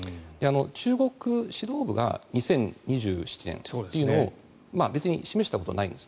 中国指導部が２０２７年というのを別に示したことはないんです。